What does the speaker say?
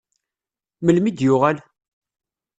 Melmi d-yuɣal?